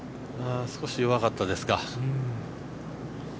弱かったですか。